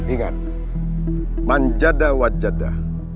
ingat manjada wajada